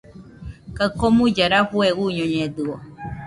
Kaɨ komuilla rafue uñoñedɨo